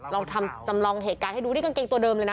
เราทำจำลองเหตุการณ์ให้ดูนี่กางเกงตัวเดิมเลยนะ